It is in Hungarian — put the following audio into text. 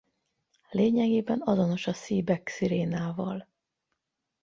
Lényegében azonos a Seebeck-szirénával.